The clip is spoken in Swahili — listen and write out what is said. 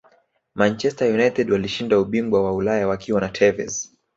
manchester united walishinda ubingwa wa ulaya wakiwa na tevez